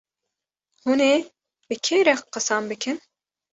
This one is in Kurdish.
hûnê bi kê re qisan bikin.